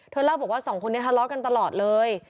เล่าบอกว่าสองคนนี้ทะเลาะกันตลอดเลย